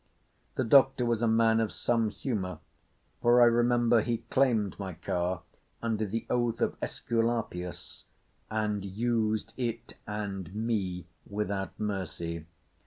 The Doctor was a man of some humour, for I remember he claimed my car under the Oath of Æsculapius, and used it and me without mercy.